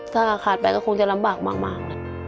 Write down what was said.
ถ้าขาดไปก็คงจะลำบากมาก